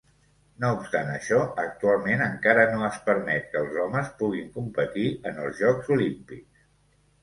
No obstant això, actualment encara no es permet que els homes puguin competir en els Jocs Olímpics.